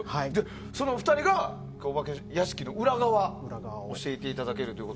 その２人がお化け屋敷の裏側を教えてくださると。